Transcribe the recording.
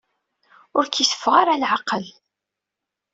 Ur k-iteffeɣ ara leɛqel.